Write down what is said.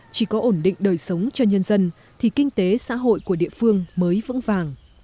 chỉ có ổn định đời sống cho nhân dân thì kinh tế xã hội của địa phương mới vững vàng